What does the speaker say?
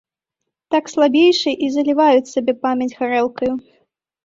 Так слабейшыя і заліваюць сабе памяць гарэлкаю.